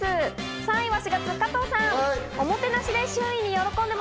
３位は４月、加藤さん。